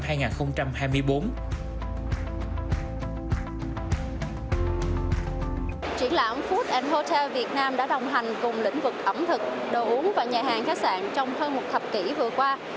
triển lãm food hotel việt nam đã đồng hành cùng lĩnh vực ẩm thực đồ uống và nhà hàng khách sạn trong hơn một thập kỷ vừa qua